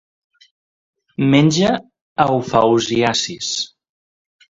Menja eufausiacis.